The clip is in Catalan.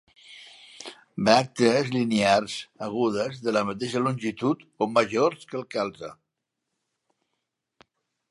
Bràctees linears, agudes, de la mateixa longitud o majors que el calze.